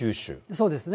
そうですね。